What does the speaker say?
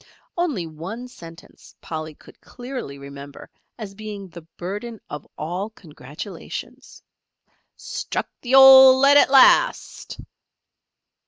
Only one sentence Polly could clearly remember as being the burden of all congratulations. "Struck the old lead at last!"